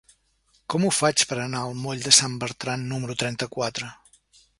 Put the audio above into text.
Com ho faig per anar al moll de Sant Bertran número trenta-quatre?